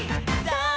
さあ